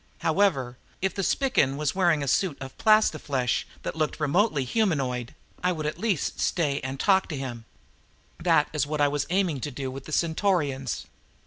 However, if the Spican was wearing a suit of plastiflesh that looked remotely humanoid, I would at least stay and talk to him. This was what I was aiming to do with the Centaurians.